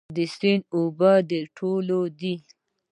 د سیند اوبه د ټولو دي؟